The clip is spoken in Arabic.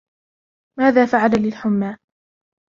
ماذا فعل للحمي ؟